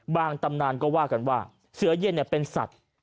ตำนานก็ว่ากันว่าเสือเย็นเป็นสัตว์